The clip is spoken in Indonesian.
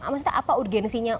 maksudnya apa urgensinya